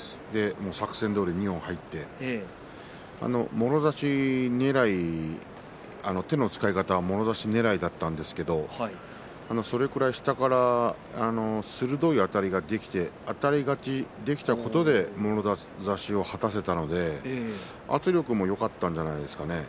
作戦どおり二本入ってもろ差しねらいで手の使い方は、もろ差しねらいだったんですけれどそれぐらい下から鋭いあたりができてあたり勝ちできたことでもろ差しを果たせたので圧力もよかったのではないでしょうか。